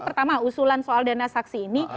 pertama usulan soal dana saksi ini